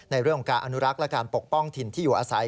ในเรื่องของการอนุรักษ์และการปกป้องถิ่นที่อยู่อาศัย